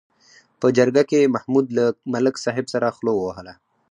په جرګه کې محمود له ملک صاحب سره خوله ووهله.